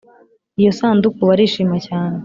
iyo sanduku barishima cyane